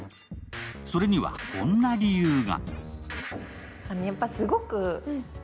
それにはこんな理由が。